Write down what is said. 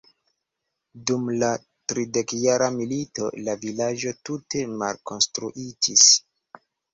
Dum la Tridekjara milito la vilaĝo tute malkonstruitis.